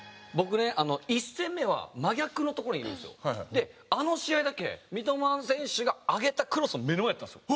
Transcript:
であの試合だけ三笘選手が上げたクロスの目の前だったんですよ。